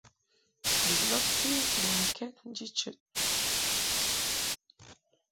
Bi lɔbti mbɔŋkɛd nji chəd.